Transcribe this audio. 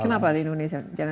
gimana di indonesia